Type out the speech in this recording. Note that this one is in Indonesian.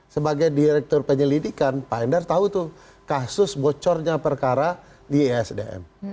sebagai direktur penyelidikan pak endar tahu tuh kasus bocornya perkara di isdm